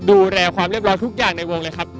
ดูแลความเรียบร้อยทุกอย่างในวงเลยครับ